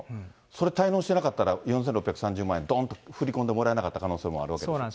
それ、滞納してなかったら、４６３０万円、どんっと振り込んでもらえなかった可能性もあるわけですね。